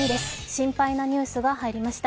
心配なニュースが入りました。